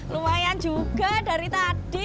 lumayan juga dari tadi